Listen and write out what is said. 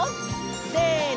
せの！